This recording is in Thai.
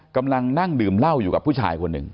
กำลังนั่งดื่มเหล้าอยู่กับผู้ชายคนหนึ่ง